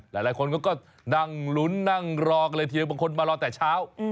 หลายคนก็นั่งลุ้นนั่งรอกันเลยทีเดียวบางคนมารอแต่เช้า